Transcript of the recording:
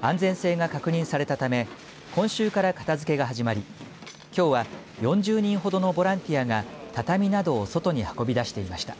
安全性が確認されたため今週から片づけが始まりきょうは４０人ほどのボランティアが畳などを外に運び出していました。